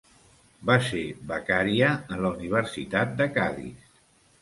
Va ser becària en la Universitat de Cadis.